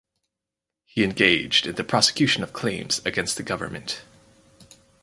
He engaged in the prosecution of claims against the Government.